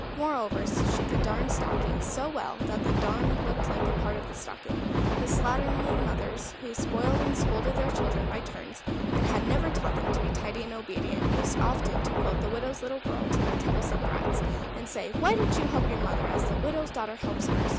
Moreover, she could darn stockings so well that the darn looked like a part of the stocking. The slatternly mothers, who spoiled and scolded their children by turns, and had never taught them to be tidy and obedient, used often to quote the widow's little girl to their troublesome brats, and say, "Why don't you help your mother as the widow's daughter helps her?"